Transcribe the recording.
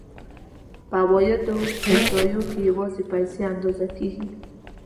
په عوایدو احصایو کې یوازې پیسې اندازه کېږي